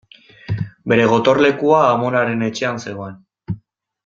Bere gotorlekua amonaren etxean zegoen.